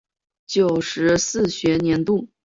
九十四学年度